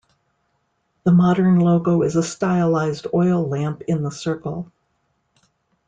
The modern logo is a stylised oil lamp in a circle.